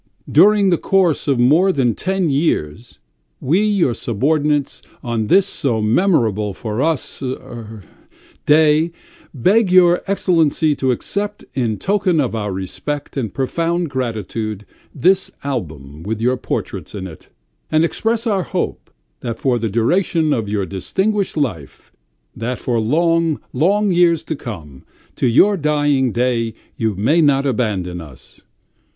"During the course of more than ten years, we, your subordinates, on this so memorable for us ... er ... day, beg your Excellency to accept in token of our respect and profound gratitude this album with our portraits in it, and express our hope that for the duration of your distinguished life, that for long, long years to come, to your dying day you may not abandon us.